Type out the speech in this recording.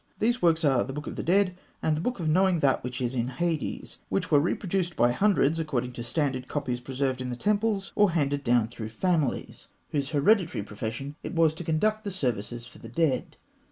These works are The Book of the Dead and The Book of Knowing That which is in Hades, which were reproduced by hundreds, according to standard copies preserved in the temples, or handed down through families whose hereditary profession it was to conduct the services for the dead.